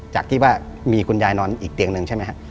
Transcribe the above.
จากที่ว่ามีคุณยายนอนอีกเตียงหนึ่งใช่ไหมครับ